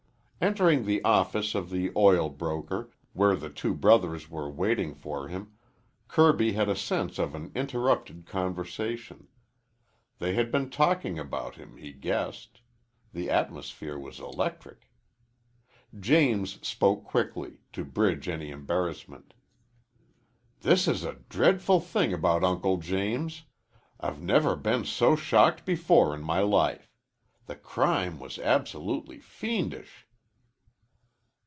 Entering the office of the oil broker, where the two brothers were waiting for him, Kirby had a sense of an interrupted conversation. They had been talking about him, he guessed. The atmosphere was electric. James spoke quickly, to bridge any embarrassment. "This is a dreadful thing about Uncle James. I've never been so shocked before in my life. The crime was absolutely fiendish."